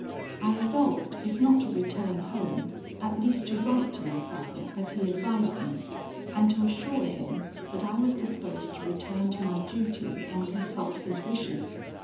I resolved, if not to return home, at least to write to my father, as he advised me, and to assure him that I was disposed to return to my duty, and consult his wishes.